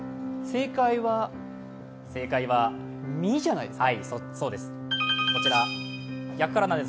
正解は「ミ」じゃないですか？